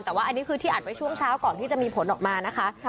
แต่ว่าอันนี้คือที่อัดไว้ช่วงเช้าก่อนที่จะมีผลออกมานะคะ